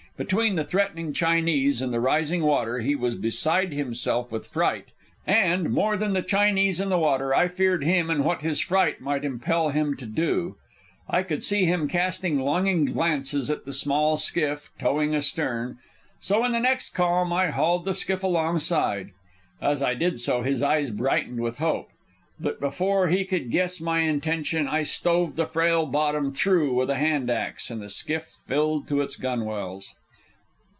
Between the threatening Chinese and the rising water he was beside himself with fright; and, more than the Chinese and the water, I feared him and what his fright might impel him to do. I could see him casting longing glances at the small skiff towing astern, so in the next calm I hauled the skiff alongside. As I did so his eyes brightened with hope; but before he could guess my intention, I stove the frail bottom through with a hand axe, and the skiff filled to its gunwales.